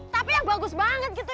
tapi yang bagus banget gitu